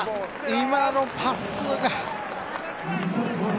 今のパスが。